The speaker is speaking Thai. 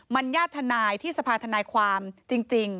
มันญาติทนายที่สภาธนายความจริง